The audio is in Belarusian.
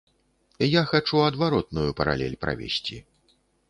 Я хачу адваротную паралель правесці.